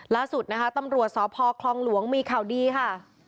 ล่าสุดนะคะตำรวจสพคลองหลวงมีข่าวดีค่ะ